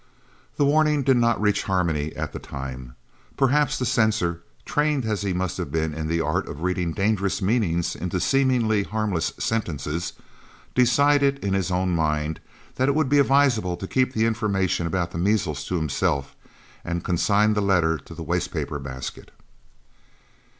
This warning did not reach Harmony at the time. Perhaps the censor, trained as he must have been in the art of reading dangerous meanings into seemingly harmless sentences, decided in his own mind that it would be advisable to keep the information about the measles to himself, and consigned the letter to the waste paper basket.